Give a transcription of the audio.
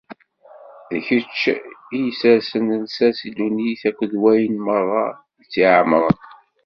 D kečč i isersen lsas i ddunit akked wayen meṛṛa i tt-iɛemṛen.